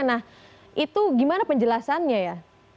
nah itu gimana penjelasannya ya